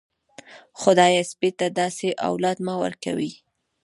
خدايه سپي ته داسې اولاد مه ورکوې.